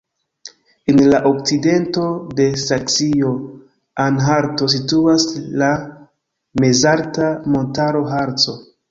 En la okcidento de Saksio-Anhalto situas la mezalta montaro Harco.